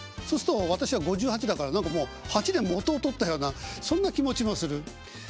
そうすっと私は５８だから何かもう８年元を取ったようなそんな気持ちもする。